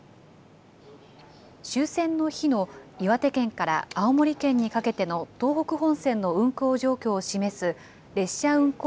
終戦の日の岩手県から青森県にかけての東北本線の運行状況を示す列車運行